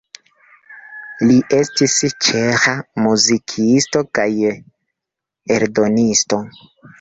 Li estis ĉeĥa muzikisto kaj eldonisto.